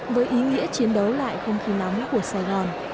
với ý nghĩa chiến đấu lại không khí nóng của sài gòn